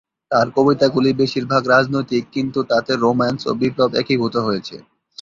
তাঁর কবিতাগুলি বেশিরভাগ রাজনৈতিক কিন্তু তাতে রোম্যান্স ও বিপ্লব একীভূত হয়েছে।